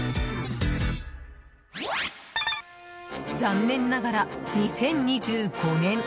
残念ながら、２０２５年。